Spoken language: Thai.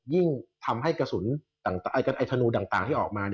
ยิ่งทำให้กระสุนธนูต่างที่ออกมา